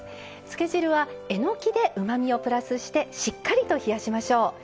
つけ汁はえのきでうまみをプラスしてしっかりと冷やしましょう。